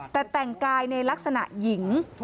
แต่แต่งกายในลักษณะหญิง